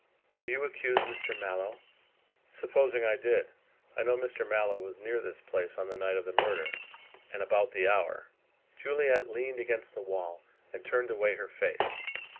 "Do you accuse Mr. Mallow?" "Supposing I did. I know Mr. Mallow was near this place on the night of the murder and about the hour." Juliet leaned against the wall and turned away her face.